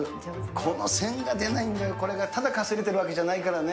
この線が出ないんだよ、これが、ただかすれてるわけじゃないからね。